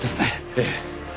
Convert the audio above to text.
ええ。